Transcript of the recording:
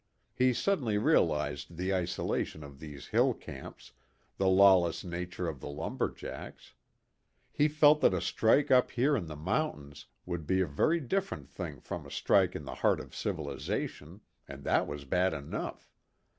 He suddenly realized the isolation of these hill camps, the lawless nature of the lumber jacks. He felt that a strike up here in the mountains would be a very different thing from a strike in the heart of civilization, and that was bad enough.